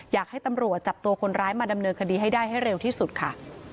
อยากให้ตำรวจจับตัวคนร้ายมาดำเนินคดีให้ได้ให้เร็วที่สุดค่ะ